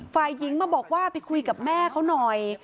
ฝ่ายหญิงมาบอกว่าไปคุยกับแม่เขาหน่อย